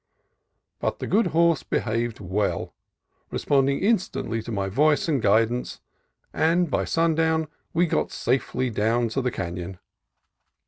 But the good horse behaved well, responding instantly to my voice and guidance, and by sundown we got safely down to the canon.